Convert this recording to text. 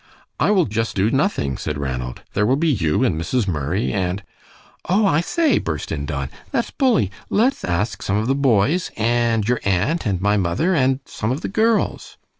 "I will just do nothing," said Ranald. "There will be you and Mrs. Murray, and " "Oh, I say," burst in Don, "that's bully! Let's ask some of the boys, and your aunt, and my mother, and some of the girls."